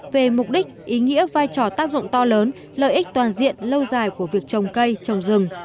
về mục đích ý nghĩa vai trò tác dụng to lớn lợi ích toàn diện lâu dài của việc trồng cây trồng rừng